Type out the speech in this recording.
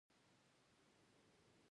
مچان د چای پر پیاله کښېني